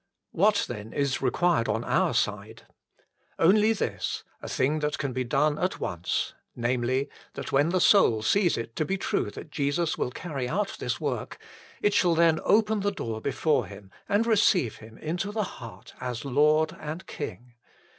What then is required on our side ? Only this, a thing that can be done at once, namely, that when the soul sees it to be true that Jesus will carry out this work, it shall then open the door before Him and receive Him into the heart as Lord and King.